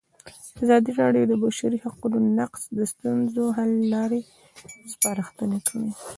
ازادي راډیو د د بشري حقونو نقض د ستونزو حل لارې سپارښتنې کړي.